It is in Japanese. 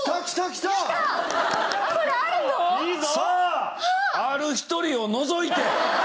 さあある１人を除いて！